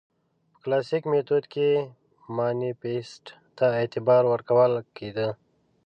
په کلاسیک میتود کې مانیفیست ته اعتبار ورکول کېده.